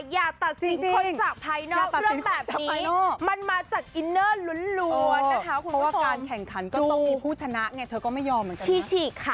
อย่าตัดสินคนจากภายนอก